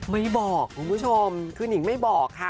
ไม่บอกคุณผู้ชมคือนิงไม่บอกค่ะ